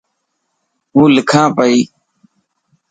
هو لکان پئي.